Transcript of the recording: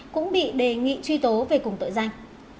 cũng bị đề nghị truy tố về cùng tội danh